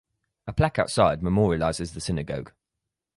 A plaque outside memorializes the synagogue.